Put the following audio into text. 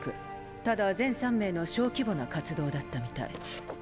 ただ全３名の小規模な活動だったみたい。